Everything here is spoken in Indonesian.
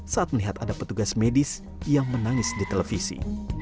saat melihat ada petugas medis yang menangis di televisi